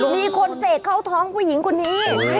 มีคนเสกเข้าท้องผู้หญิงคนนี้